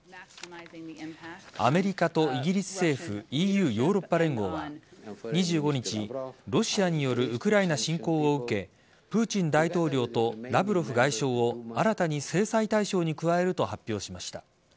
アメリカとイギリス政府ＥＵ＝ヨーロッパ連合は２５日、ロシアによるウクライナ侵攻を受けプーチン大統領とラブロフ外相を新たに制裁対象に加えると発表しました。